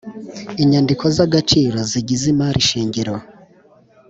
Inyandiko zagaciro zigize imari shingiro